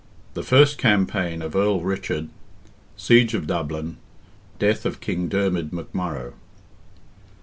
THE FIRST CAMPAIGN OF EARL RICHARD—SIEGE OF DUBLIN—DEATH OF KING DERMID McMURROGH.